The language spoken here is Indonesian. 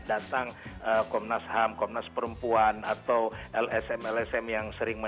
datang komnas ham komnas perempuan atau lsm lsm yang sering